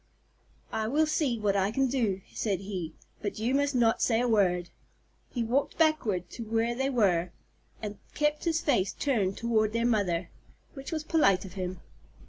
"I will see what I can do," said he, "but you must not say a word." He walked backward to where they were, and kept his face turned toward their mother, which was polite of him.